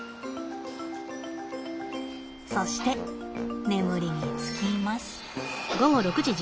そして眠りにつきます。